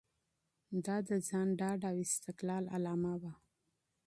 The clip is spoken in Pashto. دا د ځان ډاډ او استقلال نښه وه.